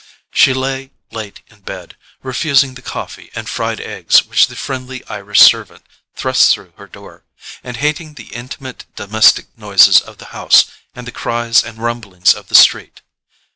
She lay late in bed, refusing the coffee and fried eggs which the friendly Irish servant thrust through her door, and hating the intimate domestic noises of the house and the cries and rumblings of the street.